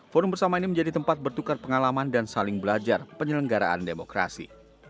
forum bersama ini menjadi tempat bertukar pengalaman dan saling belajar penyelenggaraan demokrasi